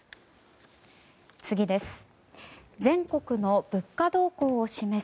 次です。